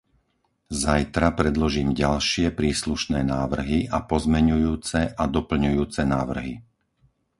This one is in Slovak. Zajtra predložím ďalšie príslušné návrhy a pozmeňujúce a doplňujúce návrhy.